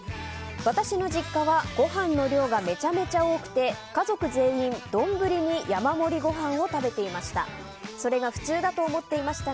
私の実家はご飯の量がめちゃめちゃ多くて家族全員、丼に山盛りご飯を食べていました。